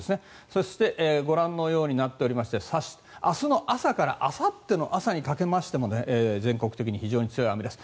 そしてご覧のようになっておりまして明日の朝からあさっての朝にかけましても全国的に非常に強い雨です。